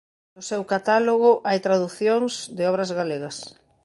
No seu catálogo hai traducións e obras galegas.